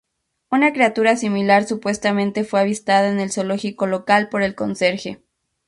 Una criatura similar supuestamente fue avistada en el zoológico local por el conserje.